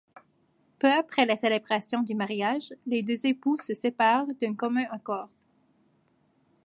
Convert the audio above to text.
Peu après la célébration du mariage, les deux époux se séparèrent d'un commun accord.